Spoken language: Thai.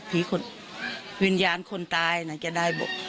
วิญญาณคนตายจะได้บอก